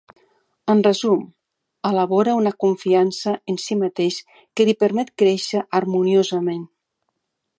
En resum, elabora una confiança en si mateix que li permet créixer harmoniosament.